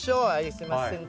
すみません。